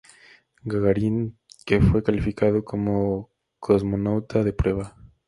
Gagarin, que fue calificado como cosmonauta de prueba.